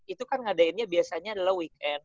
itu kan ngadainnya biasanya adalah weekend